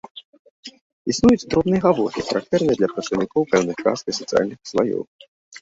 Існуюць дробныя гаворкі, характэрныя для прадстаўнікоў пэўных каст і сацыяльных слаёў.